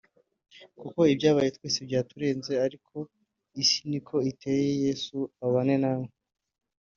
kuko ibyabaye twese byaturenze ariko isi niko iteye Yesu abane nawe